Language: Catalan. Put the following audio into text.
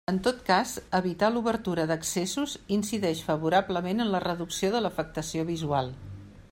En tot cas, evitar l'obertura d'accessos incideix favorablement en la reducció de l'afectació visual.